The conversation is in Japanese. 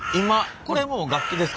これもう楽器ですか？